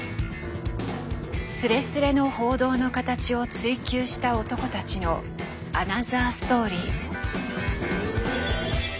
スレスレの報道の形を追求した男たちのアナザーストーリー。